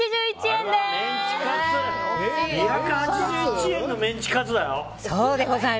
２８１円のメンチカツだよ。